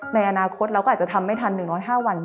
ในอนาคตเราก็อาจจะทำไม่ทัน๑๐๕วัน